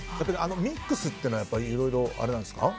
ミックスというのはいろいろあれなんですか？